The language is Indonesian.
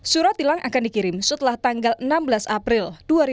surat tilang akan dikirim setelah tanggal enam belas april dua ribu dua puluh